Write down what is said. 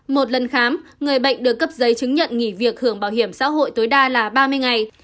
một lần khám người bệnh được cấp giấy chứng nhận nghỉ việc hưởng bảo hiểm xã hội tối đa là ba mươi ngày